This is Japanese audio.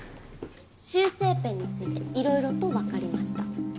修正ペンについていろいろとわかりました。